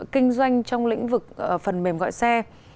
kinh doanh trong lĩnh vực phần mềm gọi xe